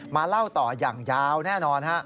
เล่าต่ออย่างยาวแน่นอน